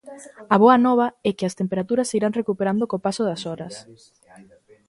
A boa nova é que as temperaturas se irán recuperando co paso das horas.